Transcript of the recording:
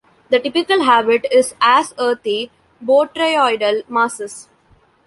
The typical habit is as earthy botryoidal masses.